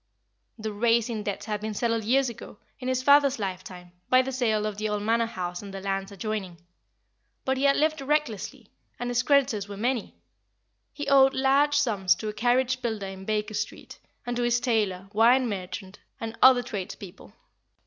The racing debts had been settled years ago, in his father's lifetime, by the sale of the old Manor House and the lands adjoining; but he had lived recklessly, and his creditors were many. He owed large sums to a carriage builder in Baker Street, and to his tailor, wine merchant, and other tradespeople.